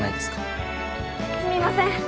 すみません。